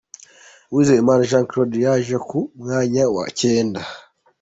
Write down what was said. Uwizeyimana Jean Claude yaje ku mwanya wa cyenda.